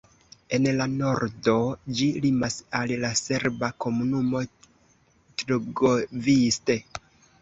En la nordo ĝi limas al la serba komunumo Trgoviste.